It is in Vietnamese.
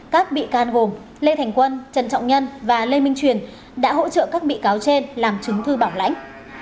các bị can gồm lê thành quân trần trọng nhân và lê minh truyền đã hỗ trợ các bị cáo trên làm chứng thư bảo lãnh